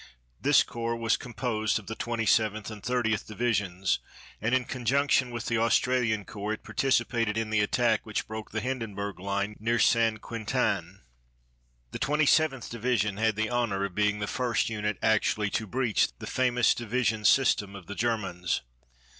This corps was composed of the Twenty seventh and Thirtieth Divisions, and in conjunction with the Australian Corps it participated in the attack which broke the Hindenburg line near St. Quentin. The Twenty seventh Division had the honor of being the first unit actually to breach the famous defensive system of the Germans.